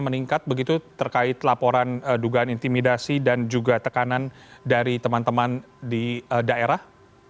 meningkat begitu terkait laporan dugaan intimidasi dan juga tekanan dari teman teman di daerah